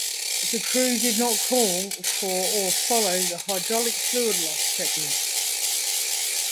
The crew did not call for or follow the hydraulic fluid loss checklist.